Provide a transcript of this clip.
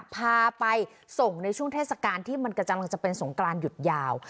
พาไปส่งในช่วงเทศกาลที่มันกำลังจะเป็นสงกรานหยุดยาว